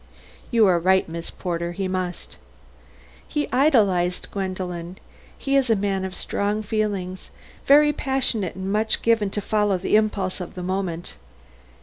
"You are right, Miss Porter, he must." "He idolized Gwendolen. He is a man of strong feelings; very passionate and much given to follow the impulse of the moment.